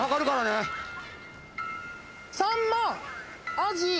アジ。